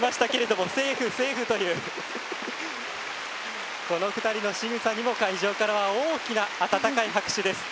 この２人のしぐさにも会場からは大きな温かい拍手です。